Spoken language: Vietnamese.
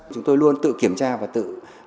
chúng tôi luôn tự kiểm tra và tự